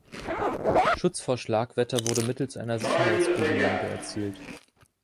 Schutz vor Schlagwetter wurde mittels einer Sicherheitsgrubenlampe erzielt.